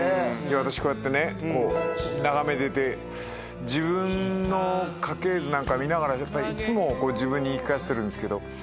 私こうやってね眺めてて自分の家系図なんか見ながらいつも自分に言い聞かせてるんですけど。